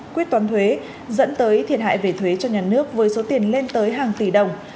quyết toán thuế dẫn tới thiệt hại về thuế cho nhà nước với số tiền lên tới hàng tỷ đồng